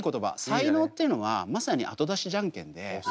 才能っていうのはまさにあと出しじゃんけんで。